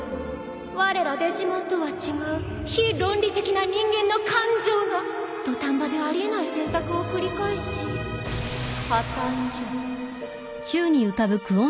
われらデジモンとは違う非論理的な人間の感情が土壇場であり得ない選択を繰り返し破綻じゃ。